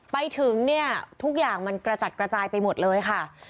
ไปถึงเนี่ยทุกอย่างมันกระจัดกระจายไปหมดเลยค่ะ